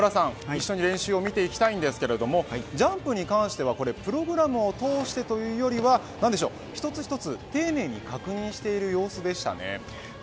一緒に練習を見ていきたいのですがジャンプに関してはプログラムを通してというより一つ一つ丁寧に確認している様子でしたね。